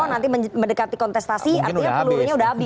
nanti mendekati kontestasi artinya pelurunya sudah habis